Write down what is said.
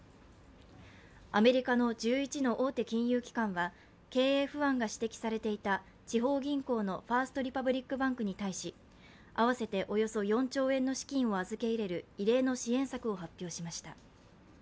アメリカの１１の大手金融機関は経営不安が指摘されていた地方銀行のファースト・リパブリック・バンクに対し、合わせておよそ４兆円の資金を預け入れる異例の支援策を発表しました。